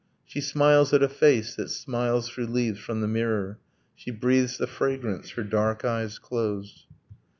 She smiles at a face that smiles through leaves from the mirror. She breathes the fragrance; her dark eyes close